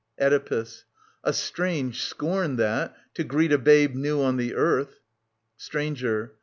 Oedipus. A strange scorn that, to greet A babe new on the earth ! Stranger.